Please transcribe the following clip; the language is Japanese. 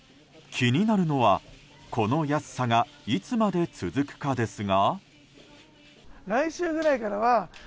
気になるのは、この安さがいつまで続くかですが。